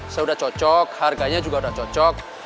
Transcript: saya udah cocok harganya juga udah cocok